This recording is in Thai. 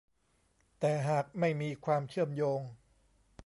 แต่หากไม่มีความเชื่อมโยง